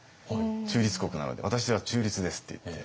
中立国なので私は中立ですって言って。